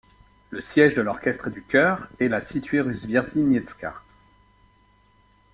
Le siège de l'orchestre et du chœur est la située rue Zwierzyniecka.